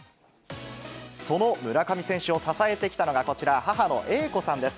その村上選手を支えてきたのがこちら、母の英子さんです。